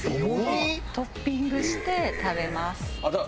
トッピングして食べます。